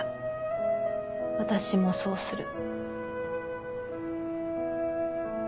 私もそうする。